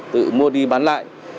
tự mua đi bán lại